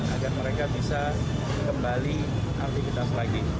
agar mereka bisa kembali aktivitas lagi